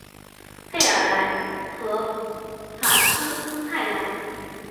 佩尔莱和卡斯泰莱。